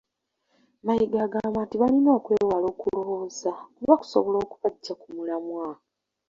Mayiga agamba nti balina okwewala okulowooza kuba kusobola okubaggya ku mulamwa.